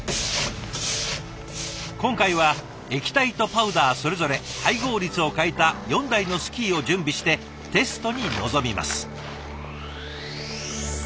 今回は液体とパウダーそれぞれ配合率を変えた４台のスキーを準備してテストに臨みます。